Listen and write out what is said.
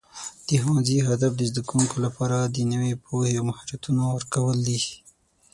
د ښوونځي هدف د زده کوونکو لپاره د نوي پوهې او مهارتونو ورکول دي.